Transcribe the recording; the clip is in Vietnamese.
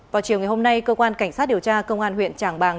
vào chiều ngày hôm nay cơ quan cảnh sát điều tra công an huyện tràng bàng